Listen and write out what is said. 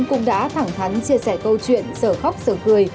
cũng đã thẳng thắn chia sẻ câu chuyện sở khóc giờ cười